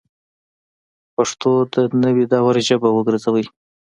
پښتو د نوي دور ژبه وګرځوئ